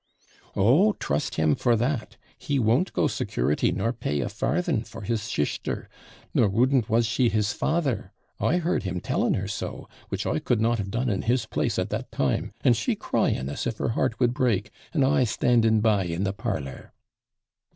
'Oh, trust him for that! he won't go security nor pay a farthing for his SHISTER, nor wouldn't was she his father; I heard him telling her so, which I could not have done in his place at that time, and she crying as if her heart would break, and I standing by in the parlour.'